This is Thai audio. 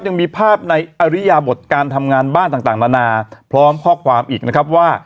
ยังมีภาพในอริยาบทการทำงานบ้านต่างนานาพร้อมข้อความอีกนะครับว่า